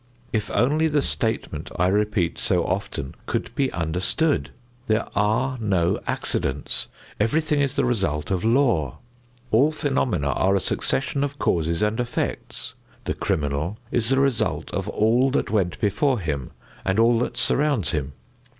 If only the statement I repeat so often could be understood! There are no accidents; everything is the result of law. All phenomena are a succession of causes and effects. The criminal is the result of all that went before him and all that surrounds him.